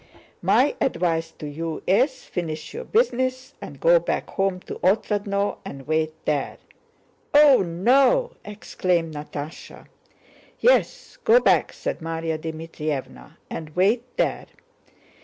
"My advice to you is finish your business and go back home to Otrádnoe... and wait there." "Oh, no!" exclaimed Natásha. "Yes, go back," said Márya Dmítrievna, "and wait there.